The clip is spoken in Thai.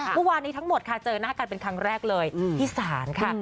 เมื่อวานนี้ทั้งหมดค่ะเจอหน้ากันเป็นครั้งแรกเลยที่ศาลค่ะ